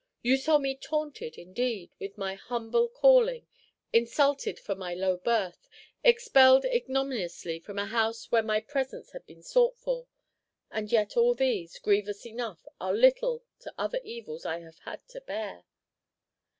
"You saw me taunted, indeed, with my humble calling, insulted for my low birth, expelled ignominiously from a house where my presence had been sought for; and yet all these, grievous enough, are little to other evils I have had to bear."